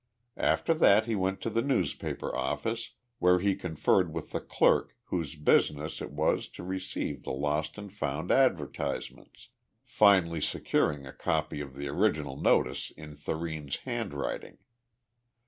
After that he went to the newspaper office, where he conferred with the clerk whose business it was to receive the lost and found advertisements, finally securing a copy of the original notice in Thurene's handwriting.